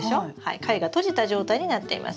貝が閉じた状態になっています。